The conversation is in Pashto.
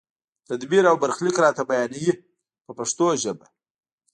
تدبیر او برخلیک راته بیانوي په پښتو ژبه.